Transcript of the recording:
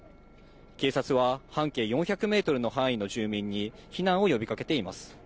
警察は半径４００メートルの範囲の住民に避難を呼びかけています。